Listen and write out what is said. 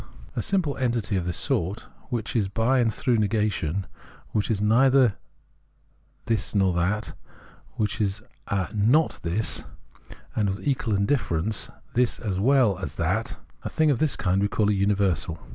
A simple entity of this sort, whicii is by and through negation, which is neither this nor that, which / is a not this, and with equal indiiTerence this as well as that — a thing of this kind we call a Universal.